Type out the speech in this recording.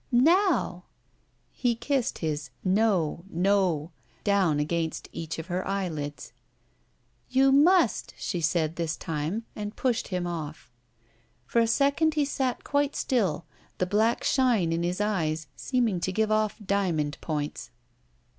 "Now!" He kissed his "No, No," down against each of her eyelids. "You must," she said this time, and pushed him off. For a second he sat quite still, the black shine in his eyes seeming to give off diamond points.